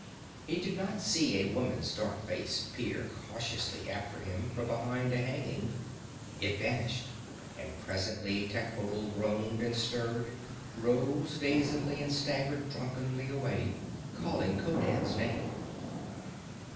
He did not see a woman's dark face peer cautiously after him from behind a hanging. It vanished, and presently Techotl groaned and stirred, rose dazedly and staggered drunkenly away, calling Conan's name.